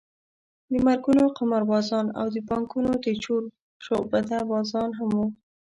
د مرګونو قماربازان او د بانکونو د چور شعبده بازان هم وو.